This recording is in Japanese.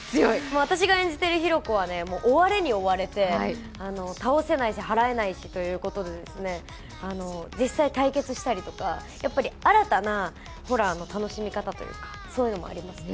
私が演じている比呂子は追われに追われて、倒せないしはらえないしということで実際対決したりとか、新たなホラーの楽しみ方もありますね。